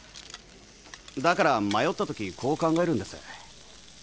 だから迷ったときこう考えるんです